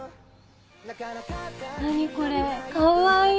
何これかわいい！